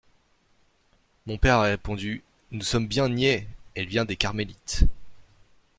Mon père a répondu: —« Nous sommes bien niais, elle vient des Carmélites.